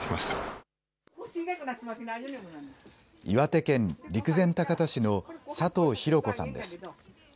岩手県陸前高田市の佐藤博子さんです。